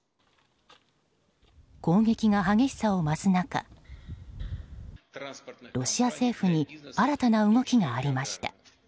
攻撃が激しさを増す中ロシア政府に新たな動きがありました。